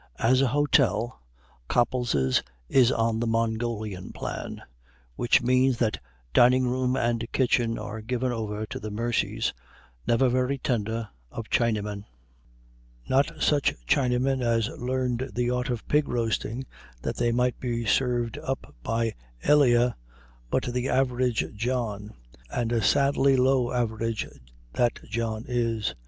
As a hotel, Copples's is on the Mongolian plan, which means that dining room and kitchen are given over to the mercies never very tender of Chinamen; not such Chinamen as learned the art of pig roasting that they might be served up by Elia, but the average John, and a sadly low average that John is.